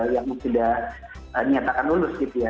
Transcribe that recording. yang sudah dinyatakan lulus gitu ya